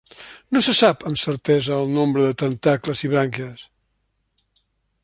No se sap amb certesa el nombre de tentacles i brànquies.